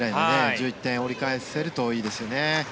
１１点を折り返せるといいですよね。